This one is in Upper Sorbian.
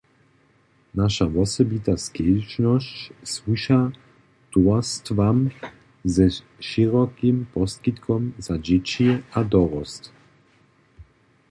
Naša wosebita skedźbnosć słuša towarstwam ze šěrokim poskitkom za dźěći a dorost.